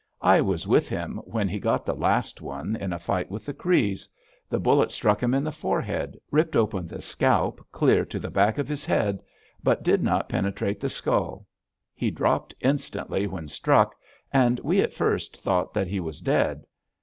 I was with him when he got the last one, in a fight with the Crees. The bullet struck him in the forehead, ripped open the scalp clear to the back of his head, but did not penetrate the skull. He dropped instantly when struck, and we at first thought that he was dead.